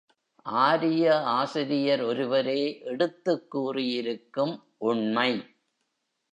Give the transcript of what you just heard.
ஆரிய ஆசிரியர் ஒருவரே எடுத்துக் கூறியிருக்கும் உண்மை.